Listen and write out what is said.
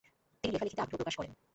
তিনি লেখালিখিতে আগ্রহ প্রকাশ করেন।